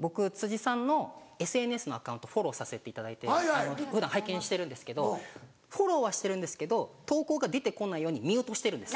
僕辻さんのＳＮＳのアカウントフォローさせていただいて普段拝見してるんですけどフォローはしてるんですけど投稿が出てこないようにミュートしてるんです。